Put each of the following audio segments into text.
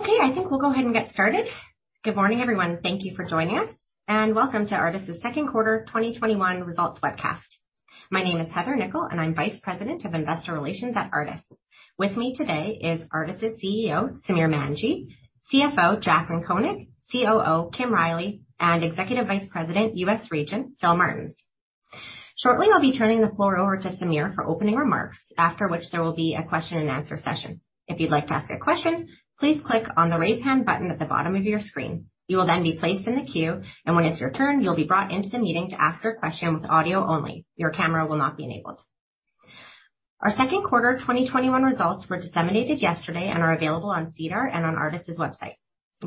Okay, I think we'll go ahead and get started. Good morning, everyone. Thank you for joining us, and welcome to Artis' second quarter 2021 results webcast. My name is Heather Nikkel, and I'm Vice President of Investor Relations at Artis. With me today is Artis' CEO, Samir Manji, CFO, Jaclyn Koenig, COO, Kim Riley, and Executive Vice-President - U.S. Region, Phil Martens. Shortly, I'll be turning the floor over to Samir for opening remarks, after which there will be a question and answer session. If you'd like to ask a question, please click on the Raise Hand button at the bottom of your screen. You will then be placed in the queue, and when it's your turn, you'll be brought into the meeting to ask your question with audio only. Your camera will not be enabled. Our second quarter 2021 results were disseminated yesterday and are available on SEDAR and on Artis' website.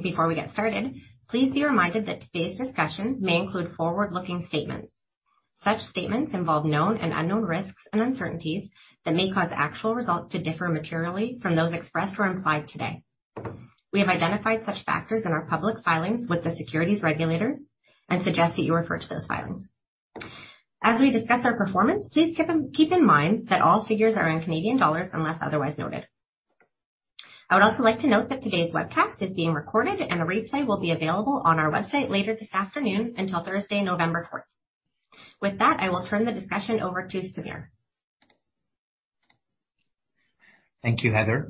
Before we get started, please be reminded that today's discussion may include forward-looking statements. Such statements involve known and unknown risks and uncertainties that may cause actual results to differ materially from those expressed or implied today. We have identified such factors in our public filings with the securities regulators and suggest that you refer to those filings. As we discuss our performance, please keep in mind that all figures are in Canadian dollars, unless otherwise noted. I would also like to note that today's webcast is being recorded, and a replay will be available on our website later this afternoon until Thursday, November 4th. With that, I will turn the discussion over to Samir. Thank you, Heather.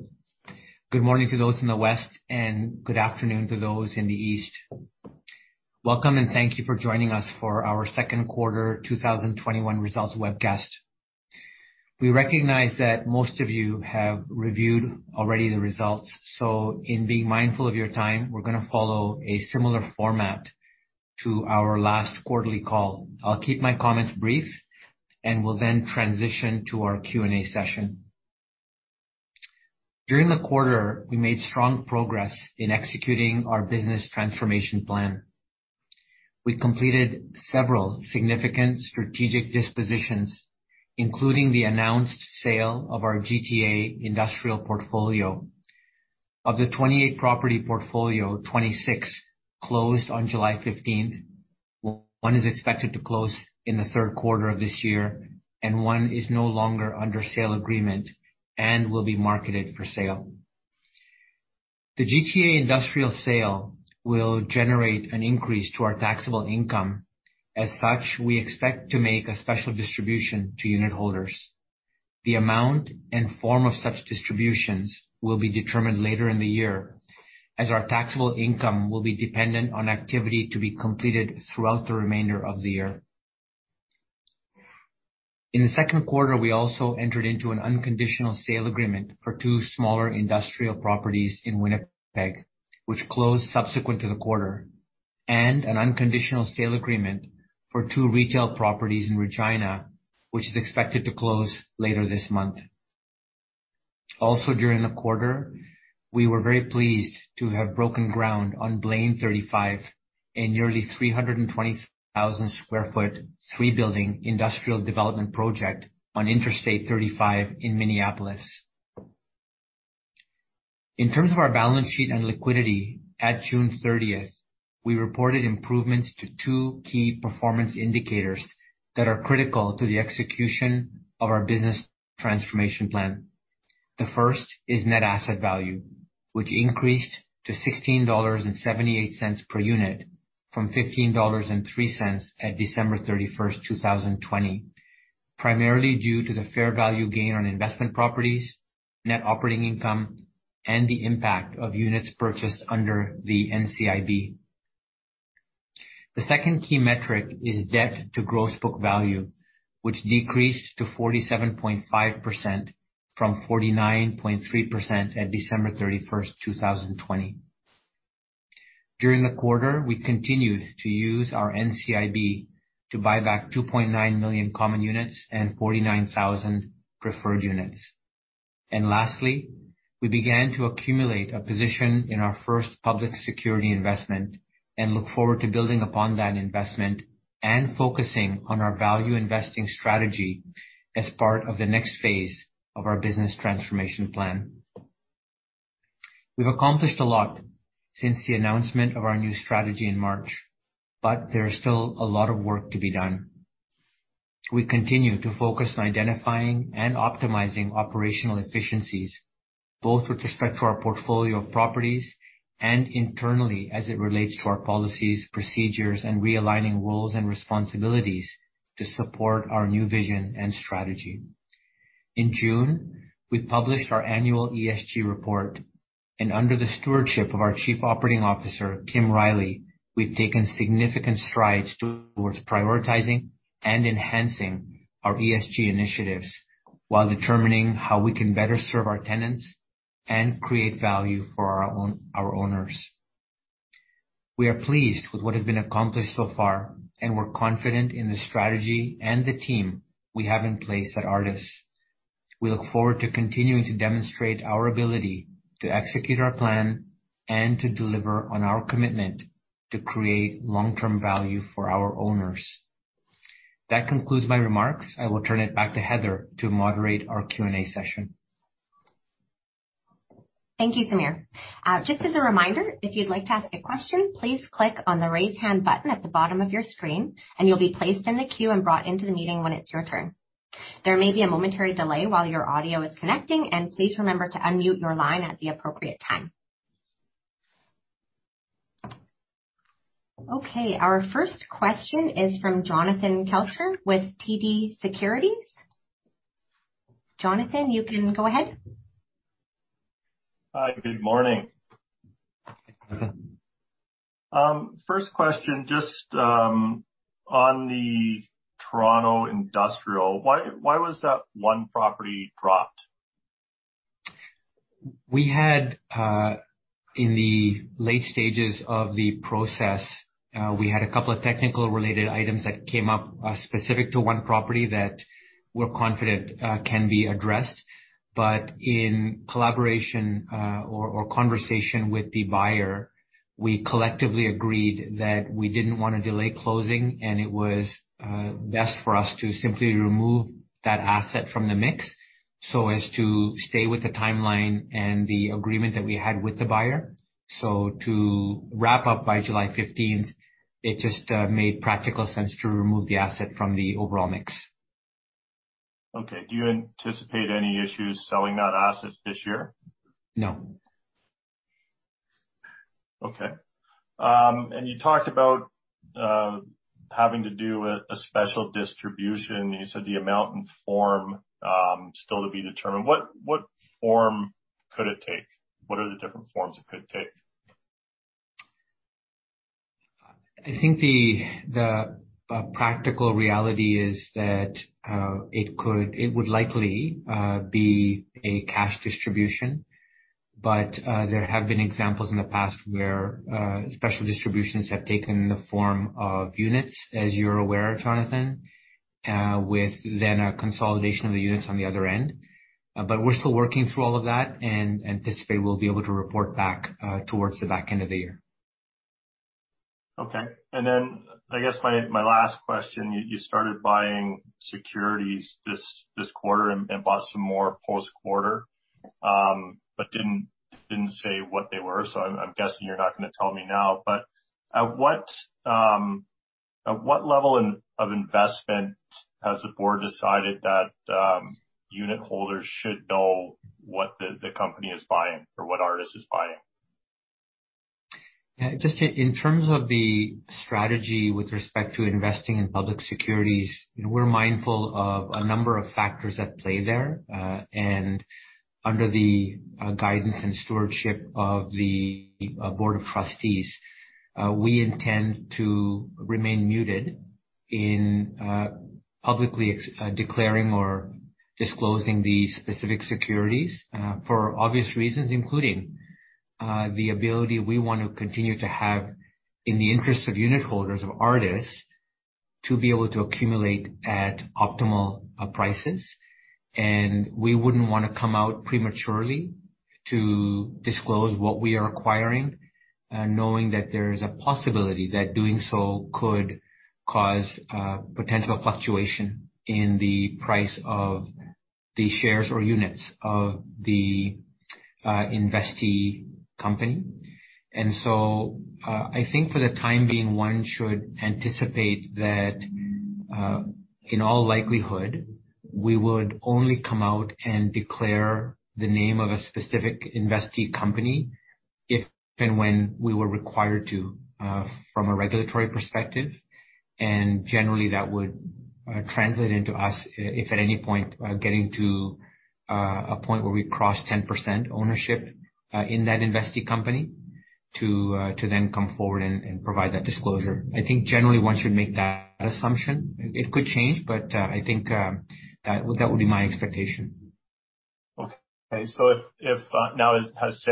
Good morning to those in the West. Good afternoon to those in the East. Welcome and thank you for joining us for our second quarter 2021 results webcast. We recognize that most of you have reviewed already the results. In being mindful of your time, we're going to follow a similar format to our last quarterly call. I'll keep my comments brief. We'll then transition to our Q&A session. During the quarter, we made strong progress in executing our business transformation plan. We completed several significant strategic dispositions, including the announced sale of our GTA industrial portfolio. Of the 28 property portfolio, 26 closed on July 15th. One is expected to close in the third quarter of this year. One is no longer under sale agreement and will be marketed for sale. The GTA industrial sale will generate an increase to our taxable income. As such, we expect to make a special distribution to unitholders. The amount and form of such distributions will be determined later in the year, as our taxable income will be dependent on activity to be completed throughout the remainder of the year. In the second quarter, we also entered into an unconditional sale agreement for two smaller industrial properties in Winnipeg, which closed subsequent to the quarter, and an unconditional sale agreement for two retail properties in Regina, which is expected to close later this month. Also, during the quarter, we were very pleased to have broken ground on Blaine35, a nearly 320,000 sq ft, three building industrial development project on Interstate 35 in Minneapolis. In terms of our balance sheet and liquidity, at June 30th, we reported improvements to two key performance indicators that are critical to the execution of our business transformation plan. The first is Net Asset Value, which increased to 16.78 dollars per unit from 15.03 dollars at December 31st, 2020, primarily due to the fair value gain on investment properties, net operating income, and the impact of units purchased under the NCIB. The second key metric is debt to gross book value, which decreased to 47.5% from 49.3% at December 31st, 2020. During the quarter, we continued to use our NCIB to buy back 2.9 million common units and 49,000 preferred units. Lastly, we began to accumulate a position in our first public security investment and look forward to building upon that investment and focusing on our value investing strategy as part of the next phase of our business transformation plan. We've accomplished a lot since the announcement of our new strategy in March, but there is still a lot of work to be done. We continue to focus on identifying and optimizing operational efficiencies, both with respect to our portfolio of properties and internally as it relates to our policies, procedures, and realigning roles and responsibilities to support our new vision and strategy. In June, we published our annual ESG report, and under the stewardship of our Chief Operating Officer, Kim Riley, we've taken significant strides towards prioritizing and enhancing our ESG initiatives while determining how we can better serve our tenants and create value for our owners. We are pleased with what has been accomplished so far, and we're confident in the strategy and the team we have in place at Artis. We look forward to continuing to demonstrate our ability to execute our plan and to deliver on our commitment to create long-term value for our owners. That concludes my remarks. I will turn it back to Heather to moderate our Q&A session. Thank you, Samir. Just as a reminder, if you'd like to ask a question, please click on the Raise Hand button at the bottom of your screen, and you'll be placed in the queue and brought into the meeting when it's your turn. There may be a momentary delay while your audio is connecting, and please remember to unmute your line at the appropriate time. Okay. Our first question is from Jonathan Kelcher with TD Securities. Jonathan, you can go ahead. Hi. Good morning. First question, just on the Toronto Industrial, why was that one property dropped? We had, in the late stages of the process, we had a couple of technical related items that came up specific to one property that we're confident can be addressed. In collaboration or conversation with the buyer, we collectively agreed that we didn't want to delay closing, and it was best for us to simply remove that asset from the mix so as to stay with the timeline and the agreement that we had with the buyer. To wrap up by July 15th, it just made practical sense to remove the asset from the overall mix. Okay. Do you anticipate any issues selling that asset this year? No. Okay. You talked about having to do a special distribution. You said the amount and form still to be determined. What form could it take? What are the different forms it could take? I think the practical reality is that it would likely be a cash distribution, but there have been examples in the past where special distributions have taken the form of units, as you're aware, Jonathan, with then a consolidation of the units on the other end. We're still working through all of that and anticipate we'll be able to report back towards the back end of the year. Okay. I guess my last question, you started buying securities this quarter and bought some more post-quarter but didn't say what they were. I'm guessing you're not going to tell me now. At what level of investment has the board decided that unit holders should know what the company is buying or what Artis is buying? Just in terms of the strategy with respect to investing in public securities, we're mindful of a number of factors at play there. Under the guidance and stewardship of the board of trustees, we intend to remain muted in publicly declaring or disclosing the specific securities for obvious reasons, including the ability we want to continue to have in the interest of unit holders of Artis to be able to accumulate at optimal prices. We wouldn't want to come out prematurely to disclose what we are acquiring, knowing that there is a possibility that doing so could cause potential fluctuation in the price of the shares or units of the investee company. I think for the time being, one should anticipate that, in all likelihood, we would only come out and declare the name of a specific investee company if and when we were required to from a regulatory perspective. Generally, that would translate into us if at any point getting to a point where we cross 10% ownership in that investee company to then come forward and provide that disclosure. I think generally one should make that assumption. It could change, but I think that would be my expectation. Okay. Now is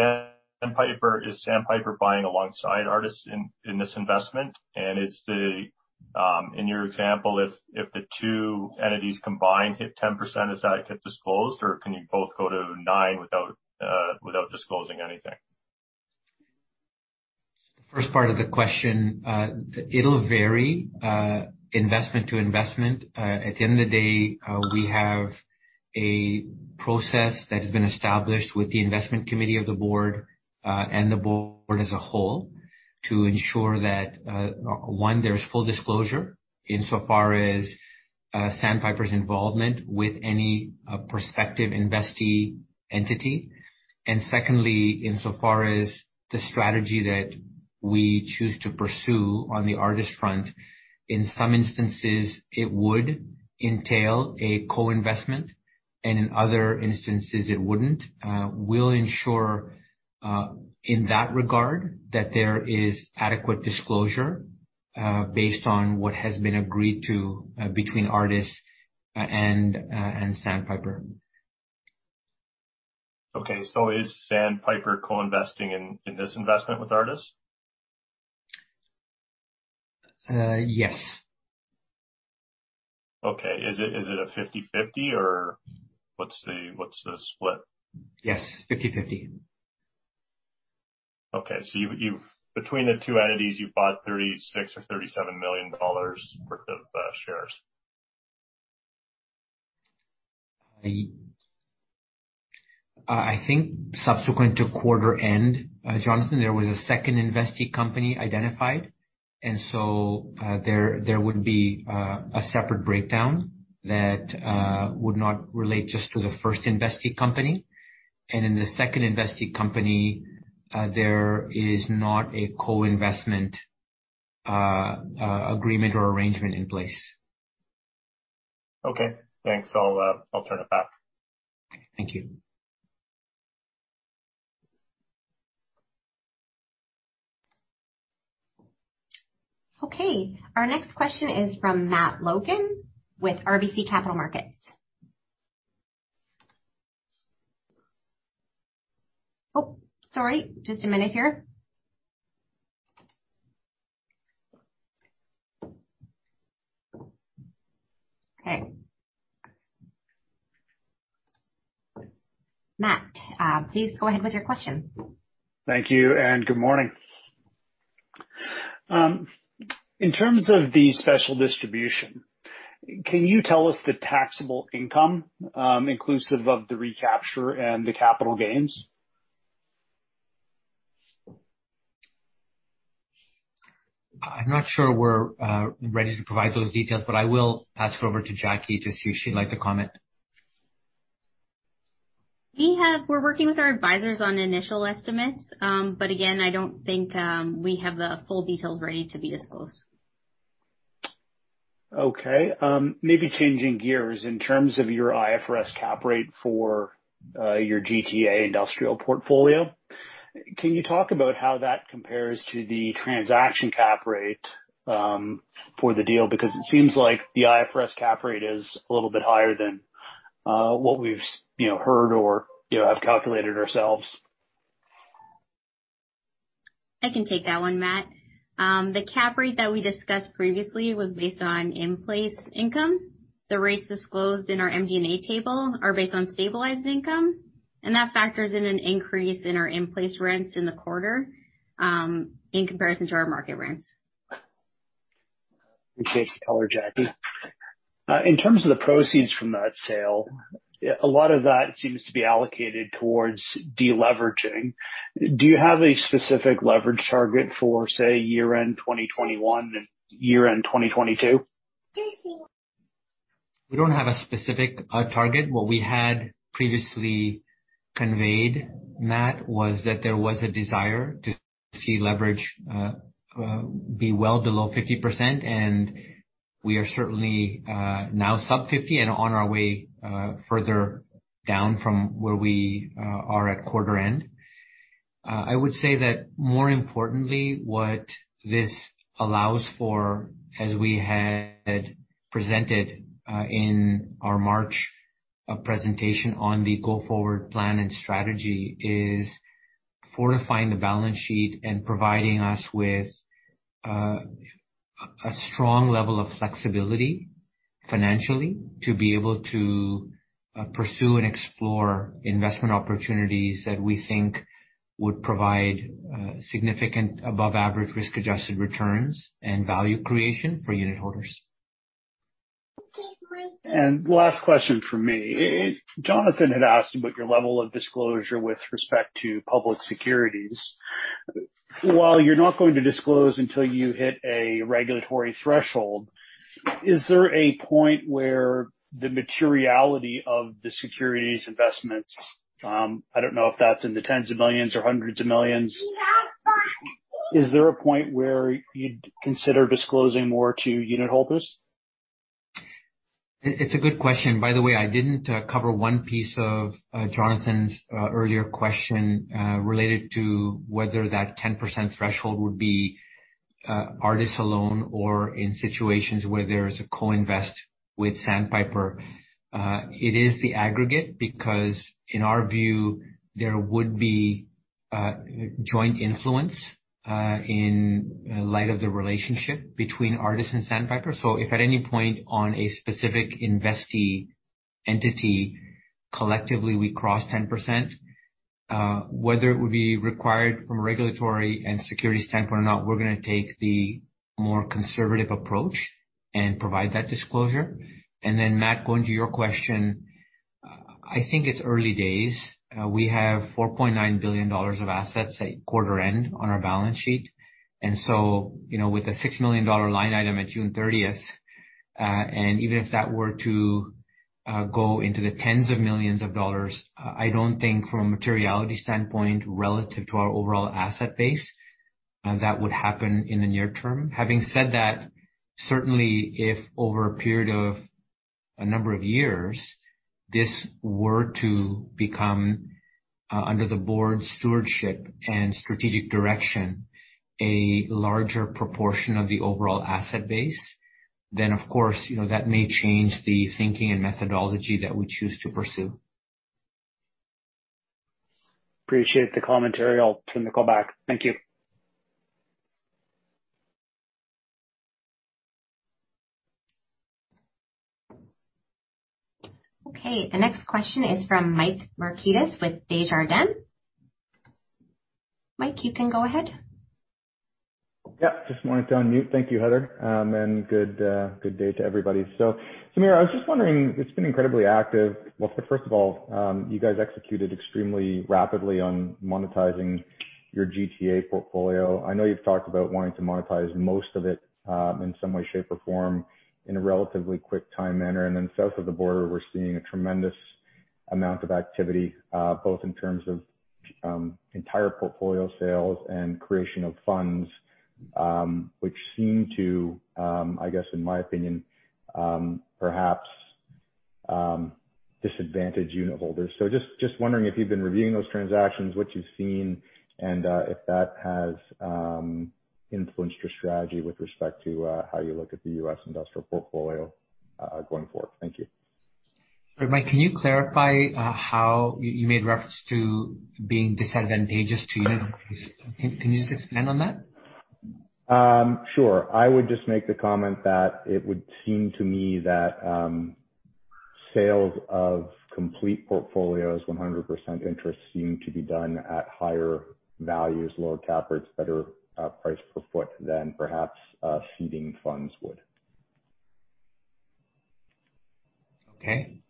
Sandpiper buying alongside Artis in this investment? In your example, if the two entities combined hit 10%, does that get disclosed, or can you both go to 9% without disclosing anything? First part of the question, it'll vary investment to investment. At the end of the day, we have a process that has been established with the investment committee of the board and the board as a whole to ensure that, one, there's full disclosure insofar as Sandpiper's involvement with any prospective investee entity. Secondly, insofar as the strategy that we choose to pursue on the Artis front, in some instances, it would entail a co-investment, and in other instances, it wouldn't. We'll ensure, in that regard, that there is adequate disclosure based on what has been agreed to between Artis and Sandpiper. Okay. Is Sandpiper co-investing in this investment with Artis? Yes. Okay. Is it a 50/50, or what's the split? Yes, 50/50. Okay. Between the two entities, you've bought 36 million or 37 million dollars worth of shares. I think subsequent to quarter end, Jonathan, there was a second investee company identified. There would be a separate breakdown that would not relate just to the first investee company. In the second investee company, there is not a co-investment agreement or arrangement in place. Okay, thanks. I'll turn it back. Thank you. Okay. Our next question is from Matt Logan with RBC Capital Markets. Oh, sorry. Just a minute here. Okay. Matt, please go ahead with your question. Thank you, and good morning. In terms of the special distribution, can you tell us the taxable income, inclusive of the recapture and the capital gains? I'm not sure we're ready to provide those details, but I will pass it over to Jaclyn to see if she'd like to comment. We're working with our advisors on initial estimates. Again, I don't think we have the full details ready to disclose. Okay. Maybe changing gears. In terms of your IFRS cap rate for your GTA industrial portfolio, can you talk about how that compares to the transaction cap rate for the deal? Because it seems like the IFRS cap rate is a little bit higher than what we've heard or have calculated ourselves. I can take that one, Matt. The cap rate that we discussed previously was based on in-place income. The rates disclosed in our MD&A table are based on stabilized income. That factors in an increase in our in-place rents in the quarter, in comparison to our market rents. Appreciate the color, Jaclyn. In terms of the proceeds from that sale, a lot of that seems to be allocated towards de-leveraging. Do you have a specific leverage target for, say, year-end 2021 and year-end 2022? We don't have a specific target. What we had previously conveyed, Matt, was that there was a desire to see leverage be well below 50%, and we are certainly now sub 50% and on our way further down from where we are at quarter end. I would say that more importantly, what this allows for, as we had presented in our March presentation on the go-forward plan and strategy, is fortifying the balance sheet and providing us with a strong level of flexibility financially to be able to pursue and explore investment opportunities that we think would provide significant above-average risk-adjusted returns and value creation for unitholders. Last question from me. Jonathan had asked about your level of disclosure with respect to public securities. While you're not going to disclose until you hit a regulatory threshold, is there a point where the materiality of the securities investments, I don't know if that's in the tens of millions or hundreds of millions, you'd consider disclosing more to unitholders? It's a good question. By the way, I didn't cover one piece of Jonathan's earlier question related to whether that 10% threshold would be Artis alone or in situations where there is a co-invest with Sandpiper. It is the aggregate, because in our view, there would be joint influence in light of the relationship between Artis and Sandpiper. If at any point on a specific investee entity, collectively, we cross 10%, whether it would be required from a regulatory and security standpoint or not, we're going to take the more conservative approach and provide that disclosure. Matt, going to your question. I think it's early days. We have 4.9 billion dollars of assets at quarter end on our balance sheet. With a 6 million dollar line item at June 30th, and even if that were to go into the tens of millions of dollars, I don't think from a materiality standpoint, relative to our overall asset base, that would happen in the near term. Having said that, certainly if over a period of a number of years, this were to become under the board's stewardship and strategic direction, a larger proportion of the overall asset base, then of course, that may change the thinking and methodology that we choose to pursue. Appreciate the commentary. I'll turn the call back. Thank you. Okay. The next question is from Mike Markidis with Desjardins. Mike, you can go ahead. Yeah. Just wanted to unmute. Thank you, Heather, and good day to everybody. Samir, I was just wondering, it's been incredibly active. Well, first of all, you guys executed extremely rapidly on monetizing your GTA portfolio. I know you've talked about wanting to monetize most of it, in some way, shape, or form in a relatively quick time manner. South of the border, we're seeing a tremendous amount of activity, both in terms of entire portfolio sales and creation of funds, which seem to, I guess, in my opinion, perhaps disadvantage unitholders. Just wondering if you've been reviewing those transactions, what you've seen, and if that has influenced your strategy with respect to how you look at the U.S. industrial portfolio, going forward. Thank you. Mike, can you clarify how you made reference to being disadvantageous to unitholders. Can you just expand on that? Sure. I would just make the comment that it would seem to me that sales of complete portfolios, 100% interest, seem to be done at higher values, lower cap rates, better price per foot than perhaps seeding funds would. Okay.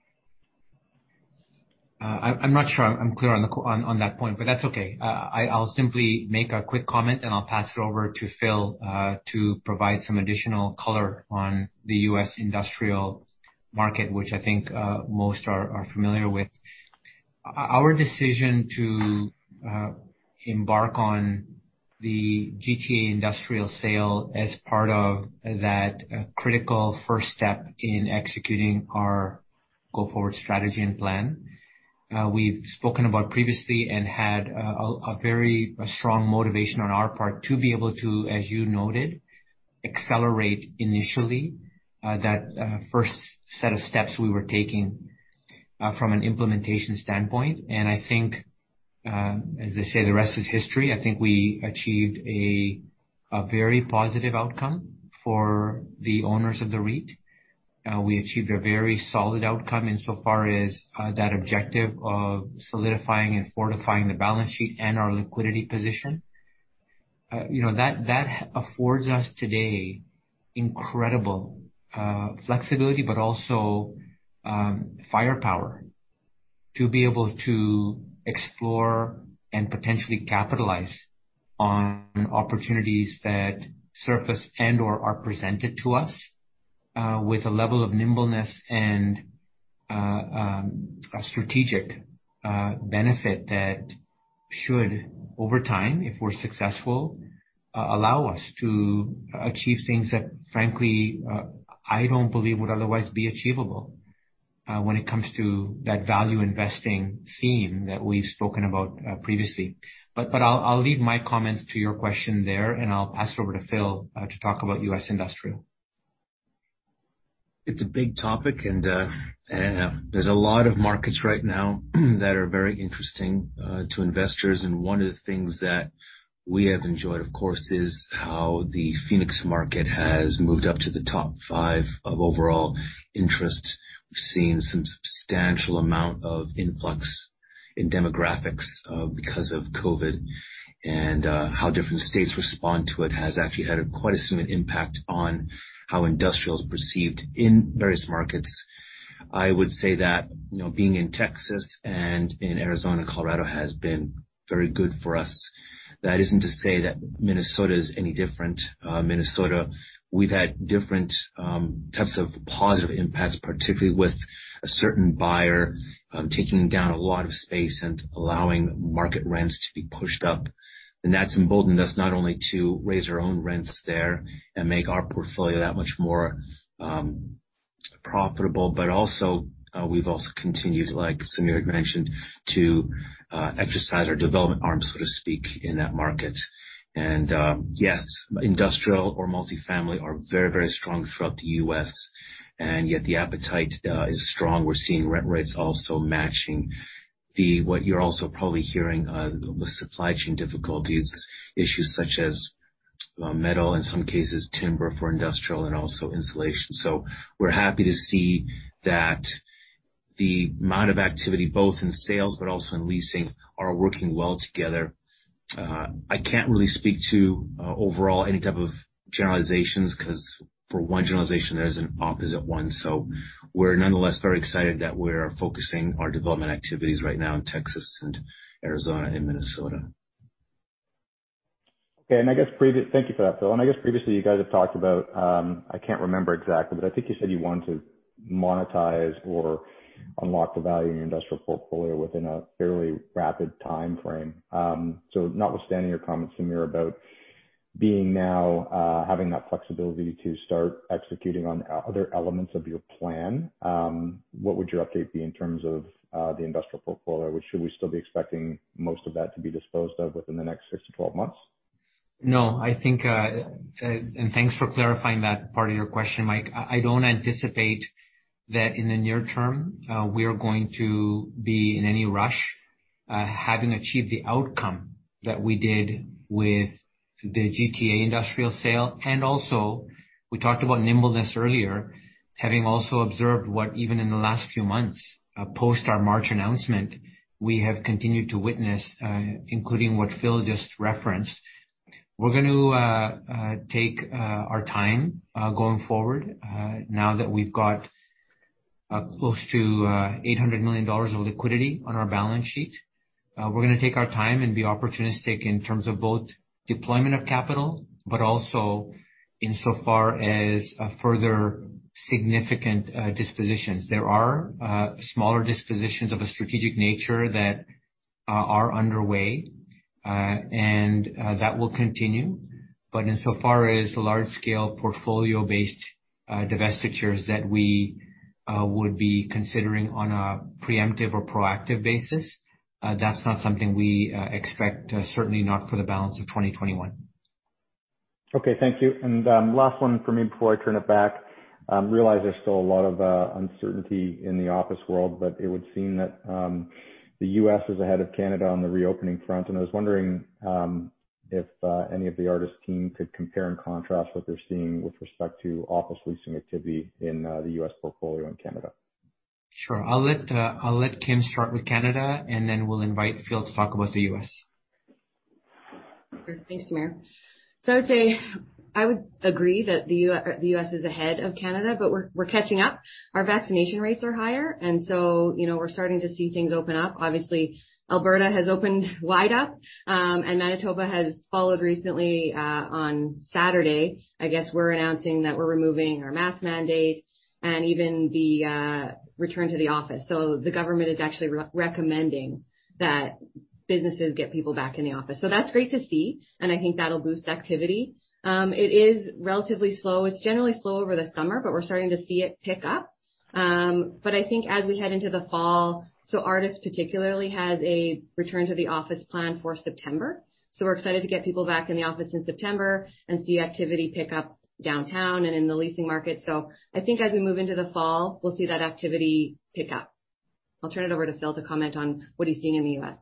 I'm not sure I'm clear on that point, but that's okay. I'll simply make a quick comment, and I'll pass it over to Phil, to provide some additional color on the U.S. industrial market, which I think most are familiar with. Our decision to embark on the GTA industrial sale as part of that critical first step in executing our go-forward strategy and plan. We've spoken about previously and had a very strong motivation on our part to be able to, as you noted, accelerate initially, that first set of steps we were taking, from an implementation standpoint. I think, as they say, the rest is history. I think we achieved a very positive outcome for the owners of the REIT. We achieved a very solid outcome insofar as that objective of solidifying and fortifying the balance sheet and our liquidity position. That affords us today incredible flexibility, but also firepower to be able to explore and potentially capitalize on opportunities that surface and/or are presented to us, with a level of nimbleness and a strategic benefit that should, over time, if we're successful, allow us to achieve things that frankly, I don't believe would otherwise be achievable, when it comes to that value investing theme that we've spoken about previously. I'll leave my comments to your question there, and I'll pass it over to Phil to talk about U.S. Industrial. It's a big topic, and there's a lot of markets right now that are very interesting to investors. One of the things that we have enjoyed, of course, is how the Phoenix market has moved up to the top five of overall interest. We've seen some substantial amount of influx in demographics because of COVID, and how different states respond to it has actually had quite a significant impact on how industrial is perceived in various markets. I would say that being in Texas and in Arizona, Colorado has been very good for us. That isn't to say that Minnesota is any different. Minnesota, we've had different types of positive impacts, particularly with a certain buyer taking down a lot of space and allowing market rents to be pushed up. That's emboldened us not only to raise our own rents there and make our portfolio that much more profitable. Also, we've also continued, like Samir had mentioned, to exercise our development arm, so to speak, in that market. Yes, industrial or multifamily are very, very strong throughout the U.S., and yet the appetite is strong. We're seeing rent rates also matching what you're also probably hearing, the supply chain difficulties issues such as metal, in some cases timber for industrial, and also insulation. We're happy to see that the amount of activity both in sales but also in leasing are working well together. I can't really speak to overall any type of generalizations because for one generalization, there is an opposite one. We're nonetheless very excited that we're focusing our development activities right now in Texas and Arizona and Minnesota. Okay. Thank you for that, Phil. I guess previously you guys have talked about, I cannot remember exactly, but I think you said you want to monetize or unlock the value in your industrial portfolio within a fairly rapid timeframe. Notwithstanding your comment, Samir, about having that flexibility to start executing on other elements of your plan, what would your update be in terms of the industrial portfolio? Should we still be expecting most of that to be disposed of within the next 6-12 months? No. Thanks for clarifying that part of your question, Mike. I don't anticipate that in the near term, we are going to be in any rush, having achieved the outcome that we did to the GTA industrial sale. Also we talked about nimbleness earlier, having also observed what, even in the last few months, post our March announcement, we have continued to witness, including what Phil just referenced. We're going to take our time going forward, now that we've got close to 800 million dollars of liquidity on our balance sheet. We're going to take our time and be opportunistic in terms of both deployment of capital, but also insofar as further significant dispositions. There are smaller dispositions of a strategic nature that are underway, and that will continue. Insofar as the large-scale portfolio-based divestitures that we would be considering on a preemptive or proactive basis, that's not something we expect, certainly not for the balance of 2021. Okay, thank you. Last one from me before I turn it back. I realize there's still a lot of uncertainty in the office world, but it would seem that the U.S. is ahead of Canada on the reopening front. I was wondering if any of the Artis team could compare and contrast what they're seeing with respect to office leasing activity in the U.S. portfolio and Canada. Sure. I'll let Kim start with Canada, and then we'll invite Phil to talk about the U.S. Great. Thanks, Samir. I would say, I would agree that the U.S. is ahead of Canada, but we're catching up. Our vaccination rates are higher, we're starting to see things open up. Obviously, Alberta has opened wide up. Manitoba has followed recently, on Saturday, I guess, were announcing that we're removing our mask mandate and even the return to the office. The government is actually recommending that businesses get people back in the office. That's great to see, and I think that'll boost activity. It is relatively slow. It's generally slow over the summer, but we're starting to see it pick up. I think as we head into the fall, so Artis particularly has a return to the office plan for September. We're excited to get people back in the office in September and see activity pick up downtown and in the leasing market. I think as we move into the fall, we'll see that activity pick up. I'll turn it over to Phil to comment on what he's seeing in the U.S.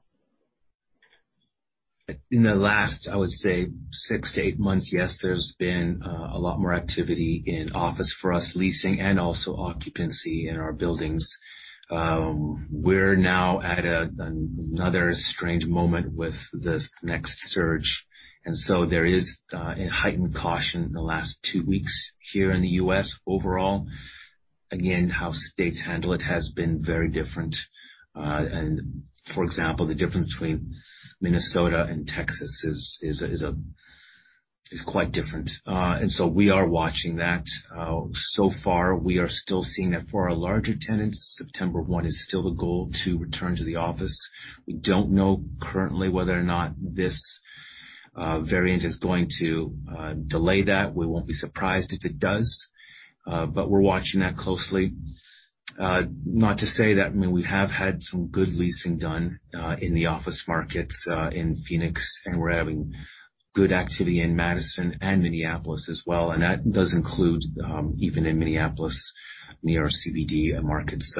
In the last, I would say, six to eight months, yes, there's been a lot more activity in office for us, leasing and also occupancy in our buildings. We're now at another strange moment with this next surge. There is a heightened caution in the last two weeks here in the U.S. overall. Again, how states handle it has been very different. For example, the difference between Minnesota and Texas is quite different. We are watching that. So far, we are still seeing that for our larger tenants, September 1 is still the goal to return to the office. We don't know currently whether or not this variant is going to delay that. We won't be surprised if it does. We're watching that closely. Not to say that we have had some good leasing done in the office markets in Phoenix, and we're having good activity in Madison and Minneapolis as well. That does include, even in Minneapolis, near our CBD markets.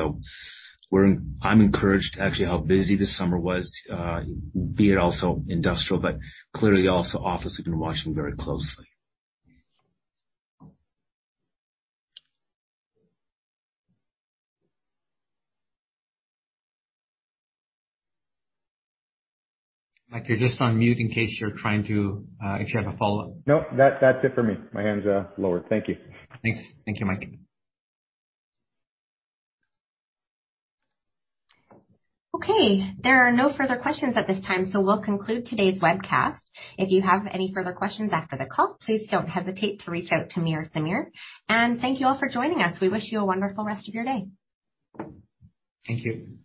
I'm encouraged actually how busy this summer was, be it also industrial, but clearly also office. We've been watching very closely. Mike, you're just on mute in case you have a follow-up. No, that's it for me. My hand's lowered. Thank you. Thanks. Thank you, Mike. Okay. There are no further questions at this time. We'll conclude today's webcast. If you have any further questions after the call, please don't hesitate to reach out to me or Samir. Thank you all for joining us. We wish you a wonderful rest of your day. Thank you.